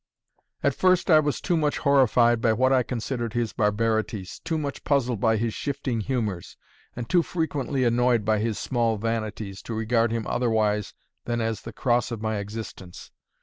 At first, I was too much horrified by what I considered his barbarities, too much puzzled by his shifting humours, and too frequently annoyed by his small vanities, to regard him otherwise than as the cross of my existence.